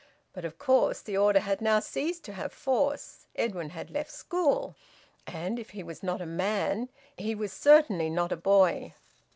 But of course the order had now ceased to have force. Edwin had left school; and, if he was not a man, he was certainly not a boy.